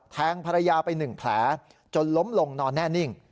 แทงภรรยาไป๑แผลจนล้มลงนอนแน่นิ่ง